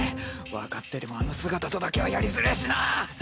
分かっててもあの姿とだけはやりづれぇしな。